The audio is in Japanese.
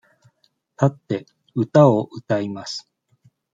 立って、歌を歌います。